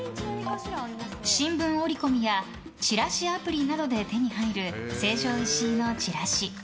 新聞折り込みやチラシアプリなどで手に入る成城石井のチラシ。